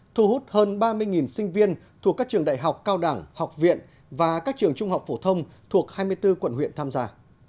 thu hút hơn ba mươi sinh viên thuộc các trường đại học cao đẳng học viện và các trường trung học phổ thông thuộc hai mươi bốn quận huyện tham gia